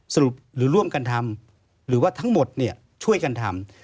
หรือร่วมกันทำหรือว่าทั้งหมดช่วยกันทำ